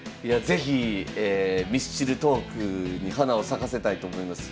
是非ミスチルトークに花を咲かせたいと思います。